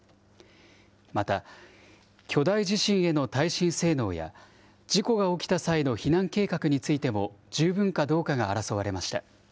また、巨大地震への耐震性能や、事故が起きた際の避難計画についても、十分かどうかが争われました。